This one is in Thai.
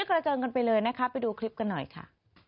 กระเจิงกันไปเลยนะคะไปดูคลิปกันหน่อยค่ะ